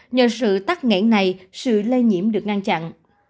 nhờ sự tắt nghẽn này sự lây nhiễm được ngăn chặn